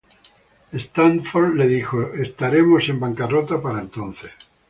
Stanford le dijo "estaremos en bancarrota para entonces".